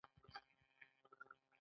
ګټه هم لږ لږ راټولېږي